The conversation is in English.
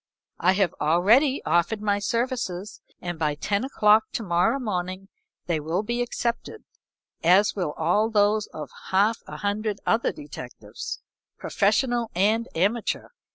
I have already offered my services, and by ten o'clock to morrow morning they will be accepted, as will also those of half a hundred other detectives, professional and amateur.